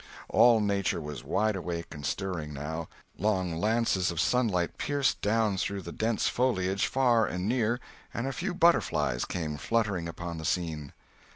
All Nature was wide awake and stirring, now; long lances of sunlight pierced down through the dense foliage far and near, and a few butterflies came fluttering upon the scene.